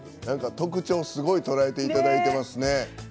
特徴をすごい捉えていただいていますね。